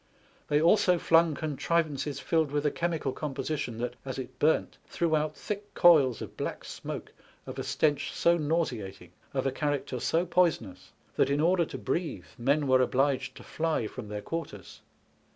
They also flung contrivances filled with a chemical composition that, as it burnt, threw out thick coils of black smoke of a stench so nauseating, of a character so poisonous that, in order to breathe, men were obliged to fly from their quarters.